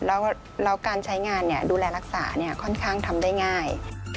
แล้วการใช้งานดูแลรักษาค่อนข้างทำได้ง่าย